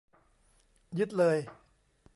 ยึดเลย